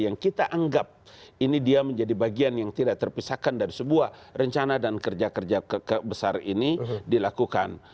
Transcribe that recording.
yang kita anggap ini dia menjadi bagian yang tidak terpisahkan dari sebuah rencana dan kerja kerja besar ini dilakukan